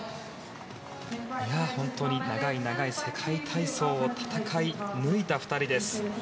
本当に長い長い世界体操を戦い抜いた２人です。